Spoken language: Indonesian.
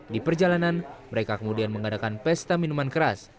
di perjalanan mereka kemudian mengadakan pesta minuman keras